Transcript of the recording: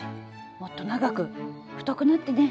もっと長く太くなってね！